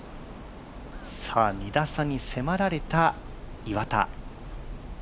２打差に迫られた岩田。